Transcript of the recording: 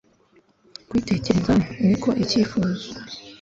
kuyitekerezaho ni ko icyifuzo